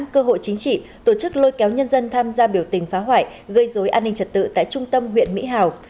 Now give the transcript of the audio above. cơ hội chính trị tổ chức lôi kéo nhân dân tham gia biểu tình phá hoại gây dối an ninh trật tự tại trung tâm huyện mỹ hào